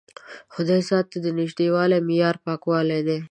د خدای ذات ته د نژدېوالي معیار پاکوالی دی.